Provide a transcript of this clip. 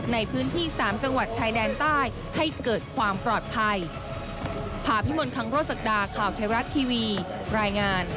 ในพื้นที่๓จังหวัดชายแดนใต้ให้เกิดความปลอดภัย